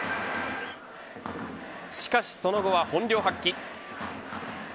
しかしその後は本領発揮。